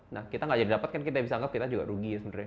nah kita gak jadi dapat kan kita bisa anggap kita juga rugi sebenarnya